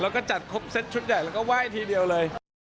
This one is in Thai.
แล้วก็จัดครบเซตชุดใหญ่แล้วก็ไหว้ทีเดียวเลย